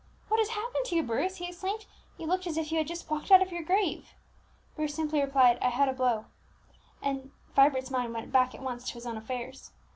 "What has happened to you, Bruce?" he exclaimed. "You look as if you had just walked out of your grave!" Bruce simply replied, "I had a blow;" and Vibert's mind went back at once to his own affairs.